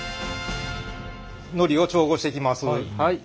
のりを調合していきます。